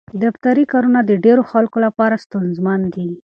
دفتري کارونه د ډېرو خلکو لپاره ستونزمن دي.